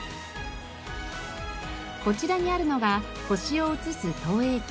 こちらにあるのが星を映す投映機。